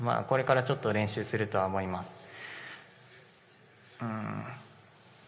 これからちょっと練習するとは思います。